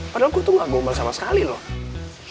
padahal gue tuh gak gombal sama sekali loh